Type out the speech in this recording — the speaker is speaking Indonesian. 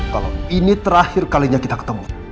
kalau ini terakhir kalinya kita ketemu